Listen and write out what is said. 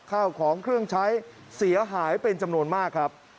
ข้าวของเครื่องใช้เสียหายเป็นจำนวนมากครับ